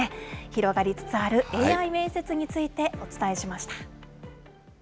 広がりつつあるＡＩ面接についてお伝えしました。